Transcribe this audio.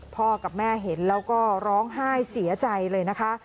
พ่อกับแม่เห็นแล้วก็ร้องไห้เสียใจเลยนะคะ